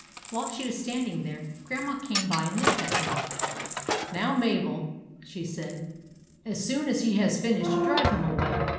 While she was standing there, Grandma came by and looked at him. " Now, Mabel," she said, " as soon as he has finished, drive him away.